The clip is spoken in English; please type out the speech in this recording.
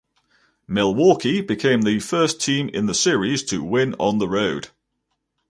Milwaukee became the first team in the series to win on the road.